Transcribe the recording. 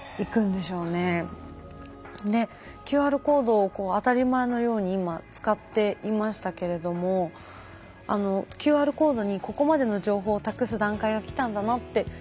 ＱＲコードを当たり前のように今使っていましたけれどもＱＲコードにここまでの情報を託す段階が来たんだなって。